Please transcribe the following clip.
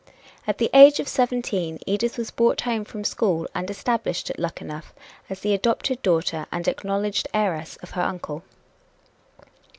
At the age of seventeen Edith was brought home from school and established at Luckenough as the adopted daughter and acknowledged heiress of her uncle.